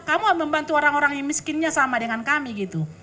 kamu membantu orang orang yang miskinnya sama dengan kami gitu